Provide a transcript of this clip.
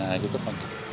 oh statusnya odp